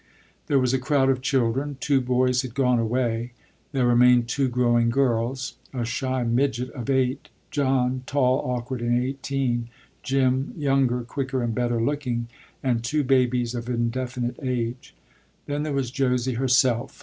There was a crowd of children. Two boys had gone away. There remained two growing girls; a shy midget of eight; John, tall, awkward, and eighteen; Jim, younger, quicker, and better looking; and two babies of indefinite age. Then there was Josie herself.